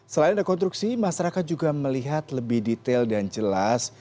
selain rekonstruksi masyarakat juga melihat lebih detail dan jelas